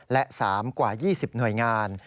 และ๓กว่า๒๐หน่วยงาน